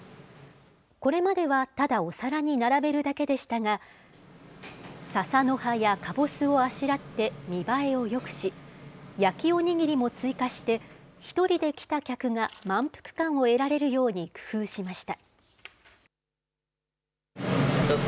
これまではただお皿に並べるだけでしたが、ささの葉やかぼすをあしらって見栄えをよくし、焼きお握りも追加して、１人で来た客が満腹感を得られるように工夫しました。